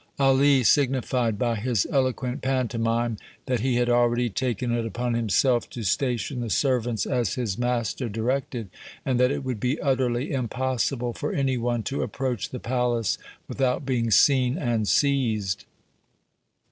Ali signified by his eloquent pantomime that he had already taken it upon himself to station the servants as his master directed, and that it would be utterly impossible for any one to approach the palace without being seen and seized.